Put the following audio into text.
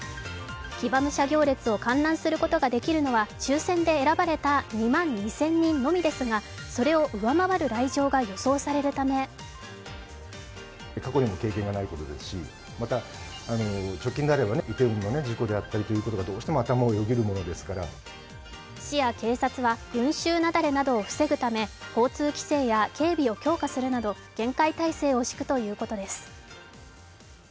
騎馬武者行列を観覧することができるのは抽選で選ばれた２万２０００人のみですがそれを上回る来場が予想されるため市や警察は、群集雪崩などを防ぐため交通規制や警備を強化するなど厳戒態勢を敷くということです。